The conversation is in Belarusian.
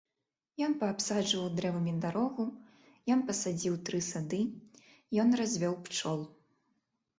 Ён паабсаджваў дрэвамі дарогу, ён пасадзіў тры сады, ён развёў пчол.